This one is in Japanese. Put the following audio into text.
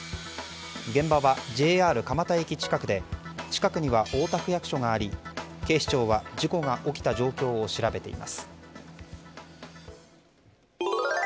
現場は、ＪＲ蒲田駅近くで近くには大田区役所があり警視庁は事故が起きた状況を調べています。